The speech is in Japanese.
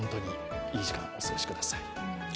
いい時間をお過ごしください。